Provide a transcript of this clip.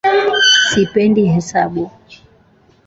Sipendi hesabu